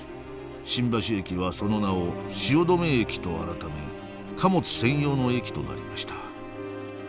新橋駅はその名を汐留駅と改め貨物専用の駅となりました。